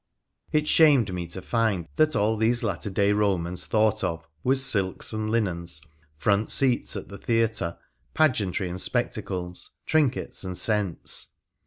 It shamed me to find that all these latter day Romans thought of was silks and linens, front seats at the theatre, pageantry and spectacles, trinkets and scents.